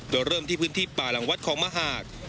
โดยเริ่มที่พื้นที่ป่าหลังวัดของมหาด